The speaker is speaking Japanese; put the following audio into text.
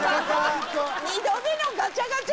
二度目のガチャガチャ！